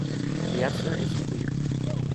The answer is clear.